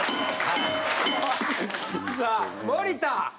さあ森田